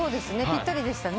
ぴったりでしたね。